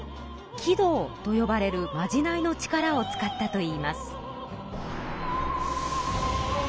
鬼道とよばれるまじないの力を使ったといいます。